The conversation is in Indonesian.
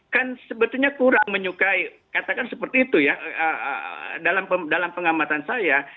kan sebetulnya kurang menyukai katakan seperti itu ya dalam pengamatan saya